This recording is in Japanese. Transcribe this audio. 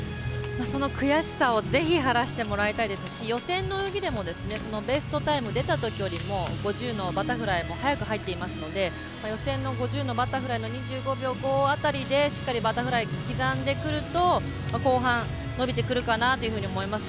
その悔しさをぜひ晴らしてほしいですし予選の泳ぎでもベストタイム出たときよりも５０ｍのバタフライも早く入っていますので予選のバタフライの２５秒５辺りでしっかりバタフライを刻んでくると、後半伸びてくるかなというふうに思います。